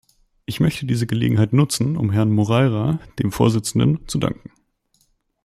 Ich möchte diese Gelegenheit nutzen, um Herrn Moreira, dem Vorsitzenden, zu danken.